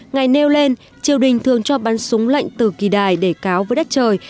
ngày nêu lên triều đình thường cho bắn súng lạnh từ kỳ đài để cáo với đất trời